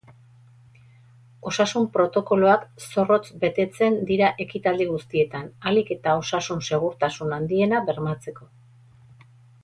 Osasun-protokoloak zorrotz betetzen dira ekitaldi guztietan, ahalik eta osasun-segurtasun handiena bermatzeko.